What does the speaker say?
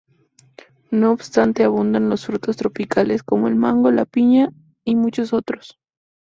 No obstante, abundan los frutos tropicales como el mango, la piña y muchos otros.